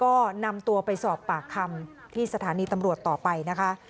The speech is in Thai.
ก็นำตัวไปสอบปากคำที่สถานีตำรวจต่อไปนะคะ